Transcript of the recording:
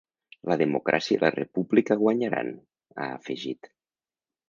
“La democràcia i la república guanyaran”, ha afegit.